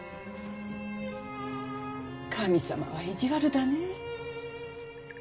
神様は意地悪だね。